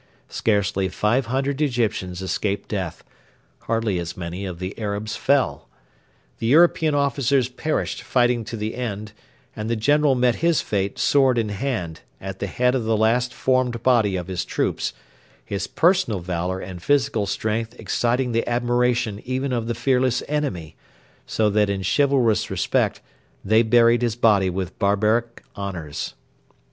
Scarcely five hundred Egyptians escaped death; hardly as many of the Arabs fell. The European officers perished fighting to the end; and the general met his fate sword in hand, at the head of the last formed body of his troops, his personal valour and physical strength exciting the admiration even of the fearless enemy, so that in chivalrous respect they buried his body with barbaric honours.